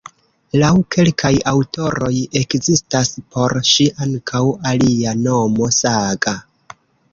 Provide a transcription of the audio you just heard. Laŭ kelkaj aŭtoroj ekzistas por ŝi ankaŭ alia nomo "Saga".